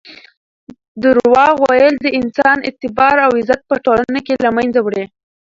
درواغ ویل د انسان اعتبار او عزت په ټولنه کې له منځه وړي.